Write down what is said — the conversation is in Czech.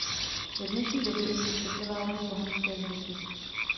Do dnešní doby u nich přetrvávají pohanské zvyky.